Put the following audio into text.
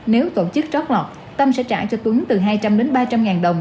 nếu tổ chức trót lọt tâm sẽ trả cho tuấn từ hai trăm linh đến ba trăm linh ngàn đồng